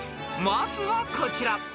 ［まずはこちら］